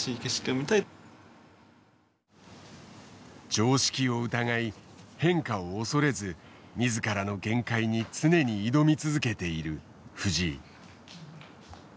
常識を疑い変化を恐れず自らの限界に常に挑み続けている藤井。